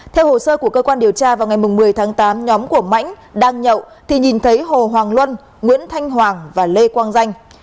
theo hồ sơ của cơ quan điều tra vào ngày một mươi tháng tám nhóm của mãnh đang nhậu thì nhìn thấy hồ hoàng luân nguyễn thanh hoàng và lê quang danh